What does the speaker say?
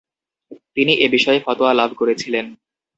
তিনি এ বিষয়ে ফতোয়া লাভ করেছিলেন।